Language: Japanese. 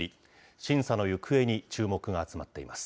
審査の行方に注目が集まっています。